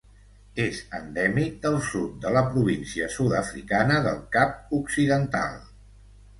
És endèmic del sud de la província sud-africana del Cap Occidental.